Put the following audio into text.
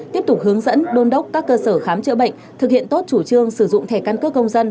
tiếp tục hướng dẫn đôn đốc các cơ sở khám chữa bệnh thực hiện tốt chủ trương sử dụng thẻ căn cước công dân